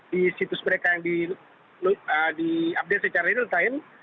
di situs mereka yang diupdate secara real time